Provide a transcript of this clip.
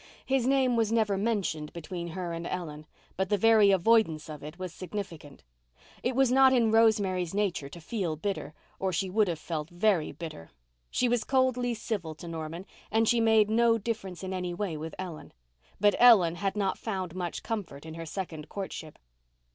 His name was never mentioned between her and Ellen, but the very avoidance of it was significant. It was not in Rosemary's nature to feel bitter, or she would have felt very bitter. She was coldly civil to Norman, and she made no difference in any way with Ellen. But Ellen had not found much comfort in her second courtship.